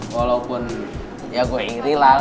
walaupun ya gue ingri lah